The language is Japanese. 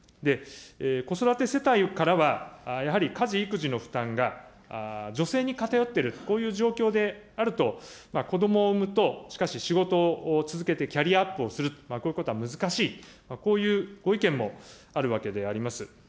子育て世帯からは、やはり家事・育児の負担が女性に偏っている、こういう状況であると、子どもを産むと、しかし仕事を続けてキャリアアップをすると、こういうことは難しい、こういうご意見もあるわけであります。